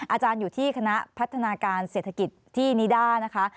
อาจารย์อยู่ที่คณะพัฒนาการเศรษฐกิจที่นิด้านะคะ